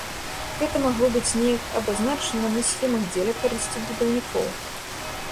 Гэта магло быць неяк абазначана на схемах дзеля карысці будаўнікоў.